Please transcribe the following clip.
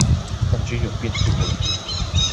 感覺有變多了